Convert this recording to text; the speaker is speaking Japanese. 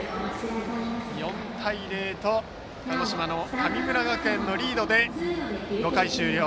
４対０と鹿児島・神村学園のリードで５回終了。